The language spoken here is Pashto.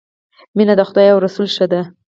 مینه د خدای او رسول ښه ده